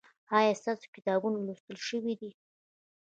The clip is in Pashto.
ایا ستاسو کتابونه لوستل شوي دي؟